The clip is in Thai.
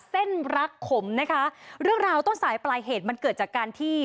เส้นรักขมนะคะเรื่องราวต้นสายปลายเหตุมันเกิดจากการที่